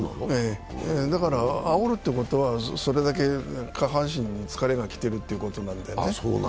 だからあおるってことはそれだけ下半身に疲れがきてるってことなんだよね。